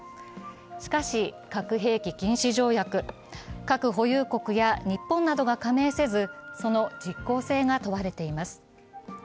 しかし、核兵器禁止条約、核保有国や日本などが加盟せずその実効性が問われています。